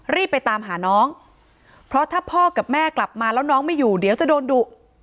รีบไปตามหาน้องเพราะถ้าพ่อกับแม่กลับมาแล้วน้องไม่อยู่เดี๋ยวจะโดนดุ